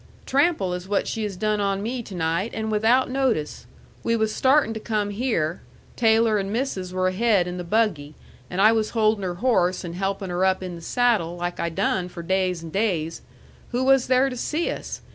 "Trample is what she has done on me to night, and without notice. We was startin' to come here; Taylor and Mrs. were ahead in the buggy, and I was holdin' her horse, and helpin' her up in the saddle, like I done for days and days. Who was there to see us?